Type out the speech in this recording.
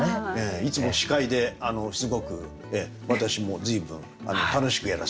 いつも司会ですごく私も随分楽しくやらさせて頂いて。